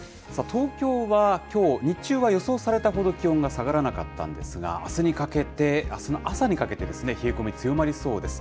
東京はきょう、日中は予想されたほど気温が下がらなかったんですが、あすにかけて、あすの朝にかけてですね、冷え込み強まりそうです。